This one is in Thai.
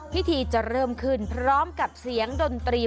พิธีจะเริ่มขึ้นพร้อมกับเสียงดนตรี